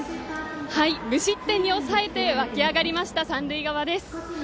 無失点に抑えて沸きあがりました、三塁側です。